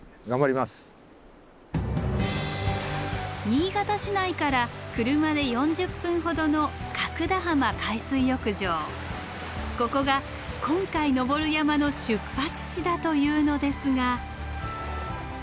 新潟市内から車で４０分ほどのここが今回登る山の出発地だというのですが。